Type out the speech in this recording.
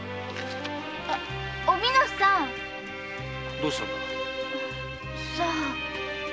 どうしたんだ？